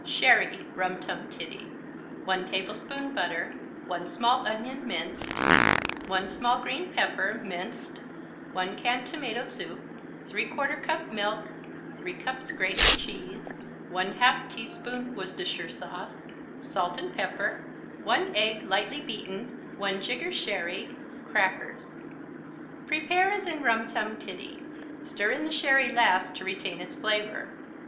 Sherry Rum Tum Tiddy 1 tablespoon butter 1 small onion, minced 1 small green pepper, minced 1 can tomato soup 3/4 cup milk 3 cups grated cheese 1/2 teaspoon Worcestershire sauce Salt and pepper 1 egg, lightly beaten 1 jigger sherry Crackers Prepare as in Rum Tum Tiddy. Stir in sherry last to retain its flavor.